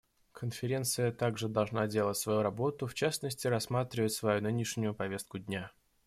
Конференция также должна делать свою работу, в частности рассматривать свою нынешнюю повестку дня.